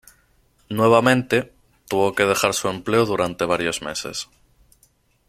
Nuevamente, tuvo que dejar su empleo durante varios meses.